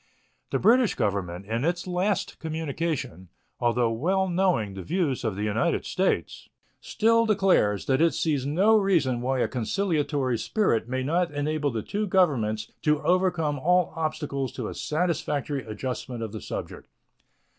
The British Government, in its last communication, although well knowing the views of the United States, still declares that it sees no reason why a conciliatory spirit may not enable the two Governments to overcome all obstacles to a satisfactory adjustment of the subject.